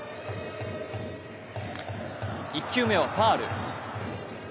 １球目はファウル。